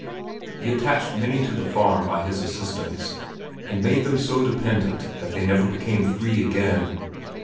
He attached many to the farm by his assistance, and made them so dependent that they never became free again.